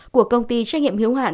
của công ty trách nhiệm hữu hạn